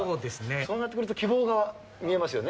そうなってくると希望が見えますよね。